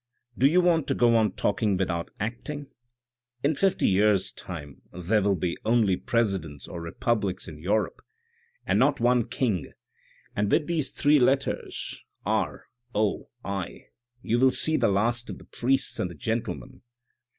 Do you want to go on talking without acting ? In fifty years' time there will be only presidents or republics in Europe and not one king, and with THE DISCUSSION 391 those three letters R. O. I. you will see the last of the priests and the gentlemen.